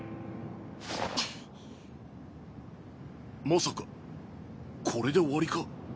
まさかこれで終わりか？